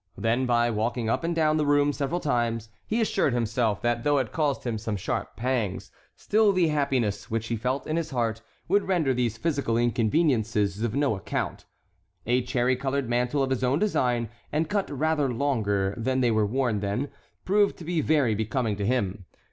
Then by walking up and down the room several times, he assured himself that though it caused him some sharp pangs, still the happiness which he felt in his heart would render these physical inconveniences of no account. A cherry colored mantle of his own design, and cut rather longer than they were worn then, proved to be very becoming to him.